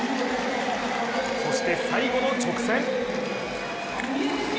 そして最後の直線。